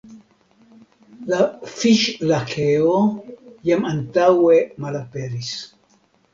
La Fiŝ-Lakeo jam antaŭe malaperis.